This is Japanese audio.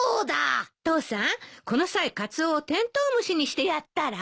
父さんこの際カツオをテントウムシにしてやったら？